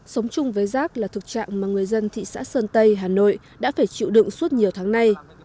sống chung với rác là thực trạng mà người dân thị xã sơn tây hà nội đã phải chịu đựng suốt nhiều tháng nay